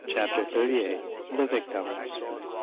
CHAPTER THIRTY EIGHT. THE VICTIMS.